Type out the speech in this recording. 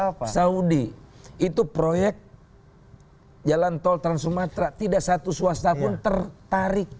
kalau saudi itu proyek jalan tol trans sumatera tidak satu swasta pun tertarik